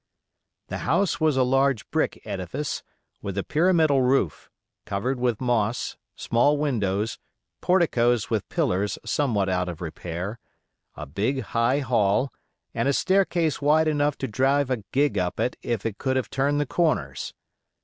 The house was a large brick edifice, with a pyramidal roof, covered with moss, small windows, porticos with pillars somewhat out of repair, a big, high hall, and a staircase wide enough to drive a gig up it if it could have turned the corners.